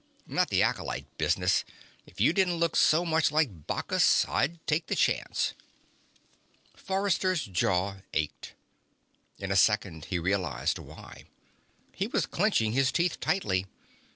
Not the acolyte business if you didn't look so much like Bacchus, I'd take the chance." Forrester's jaw ached. In a second he realized why; he was clenching his teeth tightly.